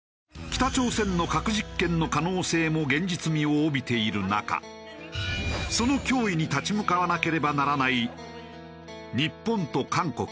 北朝鮮の核実験の可能性も現実味を帯びている中その脅威に立ち向かわなければならない日本と韓国。